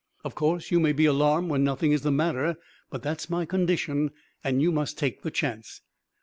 Of course you may be alarmed when nothing is the matter; but that's my condition, and you must take the chance."